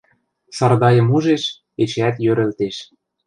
Сардайым ужеш, эчеӓт йӧрӹлтеш.